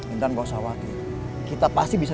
intan gak usah waktunya kita pasti bisa